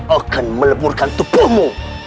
akan meleburkan tupumu